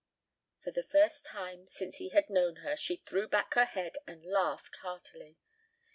'" For the first time since he had known her she threw back her head and laughed heartily.